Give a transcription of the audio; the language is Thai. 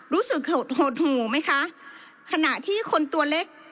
รู้สึกหดหดหูไหมคะขณะที่คนตัวเล็ก